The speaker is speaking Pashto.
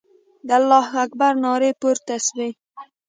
د الله اکبر نارې پورته سوې.